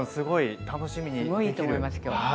すごいいいと思います今日。